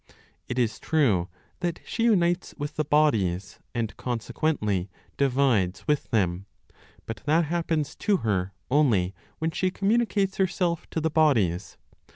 It is true that she unites with the bodies and consequently divides with them; but that happens to her only when she communicates herself to the bodies.